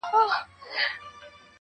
تاسي له خدایه سره څه وکړل کیسه څنګه سوه.